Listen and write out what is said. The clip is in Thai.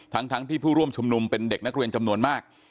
ทั้งที่ผู้ร่วมชุมนุมเป็นเด็กนักเรียนจำนวนมาก